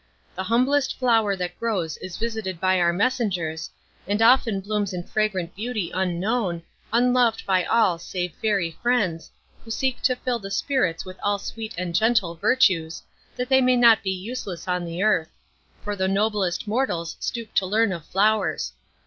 The humblest flower that grows is visited by our messengers, and often blooms in fragrant beauty unknown, unloved by all save Fairy friends, who seek to fill the spirits with all sweet and gentle virtues, that they may not be useless on the earth; for the noblest mortals stoop to learn of flowers.